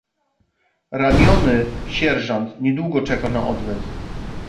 "Raniony sierżant niedługo czekał na odwet."